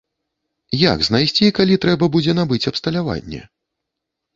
Як знайсці, калі трэба будзе набыць абсталяванне?